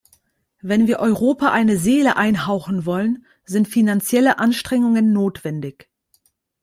Wenn wir Europa eine Seele einhauchen wollen, sind finanzielle Anstrengungen notwendig.